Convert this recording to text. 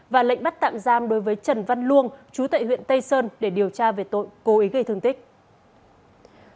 và lệnh bắt tạm giam đối với trần văn luông chú tại huyện tây sơn để điều tra về tội cố ý gây thương tích